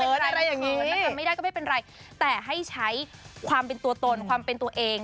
มันเผินเขินอะไรอย่างนี้มันทำไม่ได้ก็ไม่เป็นไรแต่ให้ใช้ความเป็นตัวตนความเป็นตัวเอง